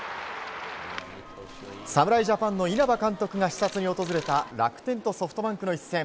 侍ジャパンの稲葉監督が視察に訪れた楽天とソフトバンクの一戦。